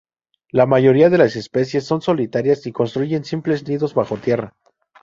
La mayoría de las especies son solitarias y construyen simples nidos bajo tierra.